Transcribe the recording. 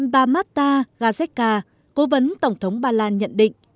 bà mata gajeka cố vấn tổng thống ba lan nhận định